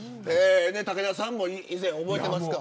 武田さんも、以前覚えてますか。